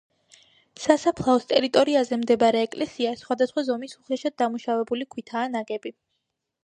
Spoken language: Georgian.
სასაფლაოს ტერიტორიაზე მდებარე ეკლესია სხვადასხვა ზომის უხეშად დამუშავებული ქვითაა ნაგები.